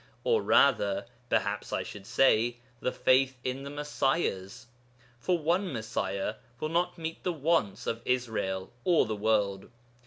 Or rather, perhaps I should say, the faith in the Messiahs, for one Messiah will not meet the wants of Israel or the world.